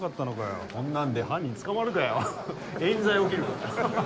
こんなんで犯人捕まるかよ冤罪起きるぞ。